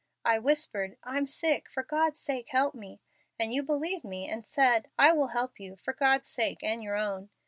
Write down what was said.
I whispered, 'I'm sick; for God's sake help me.' And you believed me and said, 'I will help you, for God's sake and your own.'